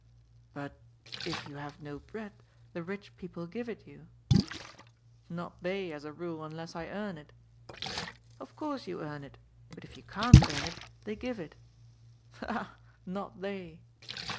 " But, if you have no bread, the rich people give it you. " Not they, as a rule, unless I earn it." " Of course you earn it. But if you can't earn it, they give it." «Ha, ha! Not they."